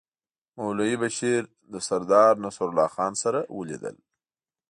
مولوي بشیر له سردار نصرالله خان سره لیدل.